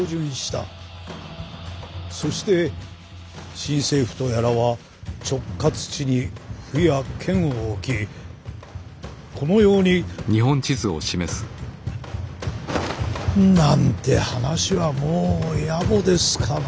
そして新政府とやらは直轄地に府や県を置きこのようになんて話はもう野暮ですかな。